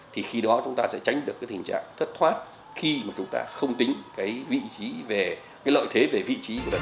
thì khi đó chúng ta sẽ tránh được cái tình trạng thất thoát khi mà chúng ta không tính cái vị trí về cái lợi thế về vị trí của đất